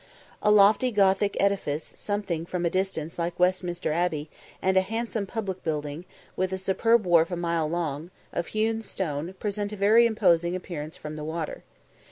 A lofty Gothic edifice, something from a distance like Westminster Abbey, and handsome public buildings, with a superb wharf a mile long, of hewn stone, present a very imposing appearance from the water.